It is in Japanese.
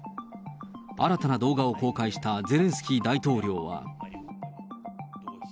新たな動画を公開したゼレンスキー大統領は。